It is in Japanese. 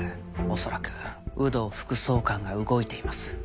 恐らく有働副総監が動いています。